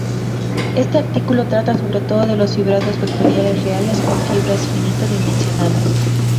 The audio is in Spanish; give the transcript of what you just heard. Este artículo trata sobre todo de los fibrados vectoriales reales, con fibras finito-dimensionales.